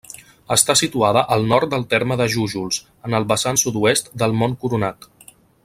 Està situada al nord del terme de Jújols, en el vessant sud-est del Mont Coronat.